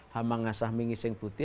hamangasah mingising putih